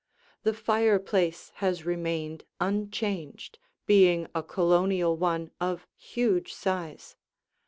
The fireplace has remained unchanged, being a Colonial one of huge size.